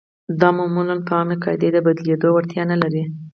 دا معمولاً په عامې قاعدې د بدلېدو وړتیا نلري.